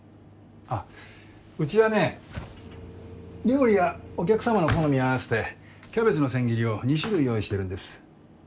あっうちはね料理やお客さまの好みに合わせてキャベツの千切りを２種類用意してるんです。